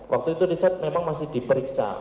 waktu itu richard memang masih diperiksa